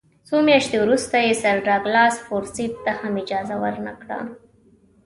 څو میاشتې وروسته یې سر ډاګلاس فورسیت ته هم اجازه ورنه کړه.